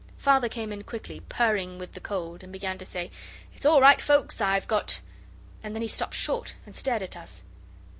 Father came in quickly, purring with the cold, and began to say, 'It's all right, Foulkes, I've got ' And then he stopped short and stared at us.